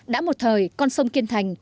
đã một thời con sông kiên thành